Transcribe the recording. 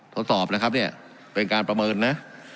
ทดสอบนะครับเนี่ยเป็นการประเมินนะ